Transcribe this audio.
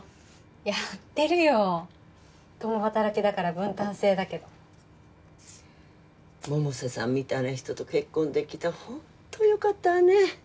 やってるよ共働きだから分担制だけど百瀬さんみたいな人と結婚できてホントよかったわね